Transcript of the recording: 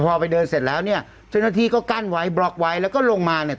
พอไปเดินเสร็จแล้วเนี่ยเจ้าหน้าที่ก็กั้นไว้บล็อกไว้แล้วก็ลงมาเนี่ย